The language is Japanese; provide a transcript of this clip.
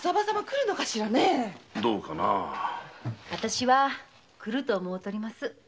私は来ると思うとります。